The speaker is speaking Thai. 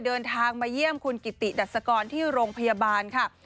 เดินทางมาเยี่ยมคุณกิติดัศกรที่โรงพยาบาลค่ะ